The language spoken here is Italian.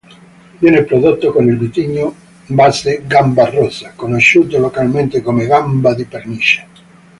Viene prodotto con il vitigno base Gamba Rossa, conosciuto localmente come "Gamba di Pernice".